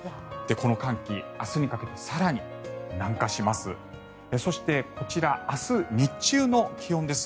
この寒気、明日にかけて更に南下します。